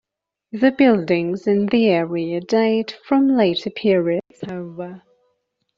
The buildings in the area date from later periods, however.